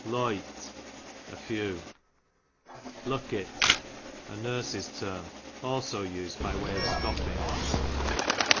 Loyte, a few. Luck it, a nurse's term ; also used by way of scoffing.